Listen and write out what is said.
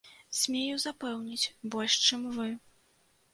Смею запэўніць, больш, чым вы.